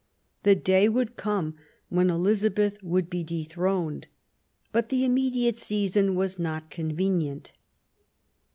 The day would come when Elizabeth would be dethroned ; but the immediate season was not convenient.